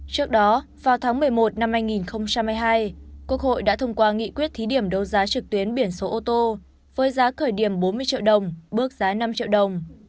trước đó vào tháng một mươi một năm hai nghìn hai mươi hai quốc hội đã thông qua nghị quyết thí điểm đấu giá trực tuyến biển số ô tô với giá khởi điểm bốn mươi triệu đồng bước giá năm triệu đồng